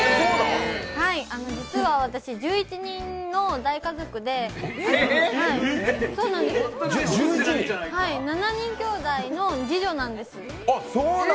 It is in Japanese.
実は私、１１人の大家族で７人きょうだいの次女なんです。